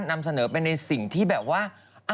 นำเสนอไปในสิ่งที่แบบว่า